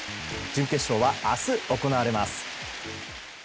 準決勝は明日行われます。